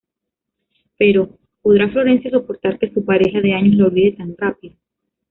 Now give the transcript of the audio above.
Pero, ¿Podrá Florencia soportar que su pareja de años la olvide tan rápido?